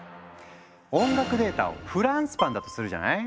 音楽データをフランスパンだとするじゃない？